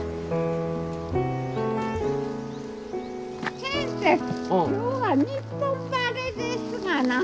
先生今日はニッポン晴れですがな。